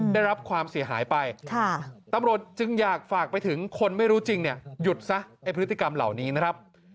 ได้รับความเสียหายไปตำรวจจึงอยากฝากไปถึงคนไม่รู้จริงเนี่ยหยุดซะไอ้พฤติกรรมเหล่านี้นะครับ